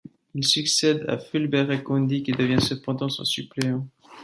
Il succède à Fulbert Ekondi, qui devient cependant son suppléant.